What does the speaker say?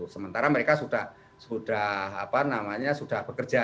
sementara mereka sudah apa namanya sudah bekerja